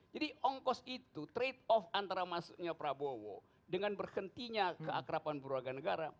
jadi ongkos itu trade off antara masjidnya prabowo dengan berhentinya keakrapan berwarga negara